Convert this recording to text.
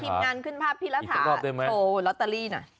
ถีมงานขึ้นภาพพี่รักษาโหลอตเตอรี่